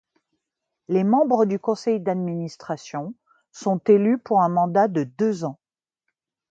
Les membres du Conseil d’administration sont élus pour un mandat de deux ans.